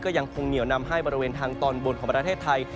ยังคงเหนียวนำให้บริเวณทางตอนบนของประเทศไทย